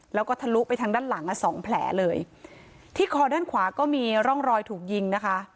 แล้วก็ทะลุไปทางด้านหลังอ่ะสองแผลเลยที่คอด้านขวาก็มีร่องรอยถูกยิงนะคะ